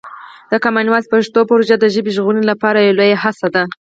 د کامن وایس پښتو پروژه د ژبې ژغورنې لپاره یوه لویه هڅه ده.